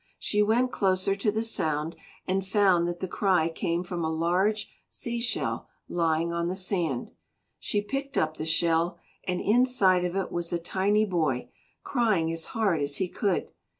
She went closer to the sound and found that the cry came from a large sea shell lying on the sand. She picked up the shell, and inside of it was a tiny boy, crying as hard as he could.